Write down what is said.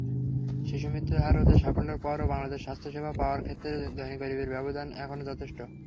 শিশুমৃত্যুর হার রোধের সাফল্যের পরও বাংলাদেশে স্বাস্থ্যসেবা পাওয়ার ক্ষেত্রে ধনী-গরিবের ব্যবধান এখনো যথেষ্ট।